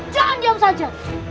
jangan diam saja